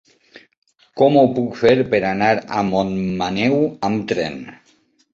Com ho puc fer per anar a Montmaneu amb tren?